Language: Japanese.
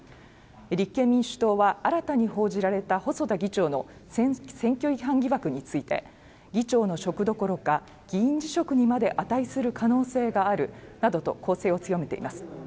立憲民主党は新たに報じられた細田議長の選挙違反疑惑について議長の職どころか議員辞職にまで値する可能性があるなどと攻勢を強めています